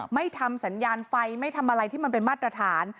ไม่ทำสัญญาณไฟไม่ทำอะไรที่มันเป็นมาตรฐาน